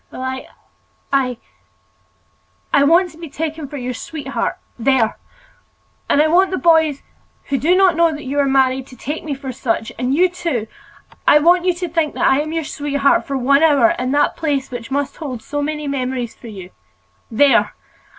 "Well, I—I—I want to be taken for your sweetheart—there! and I want the boys, who do not know that you are married, to take me for such; and you too—I want you to think that I am your sweetheart for one hour, in that place which must hold so many memories for you. There!